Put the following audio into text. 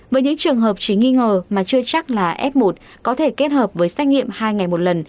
với những trường hợp chỉ nghi ngờ mà chưa chắc là f một có thể kết hợp với xét nghiệm hai ngày một lần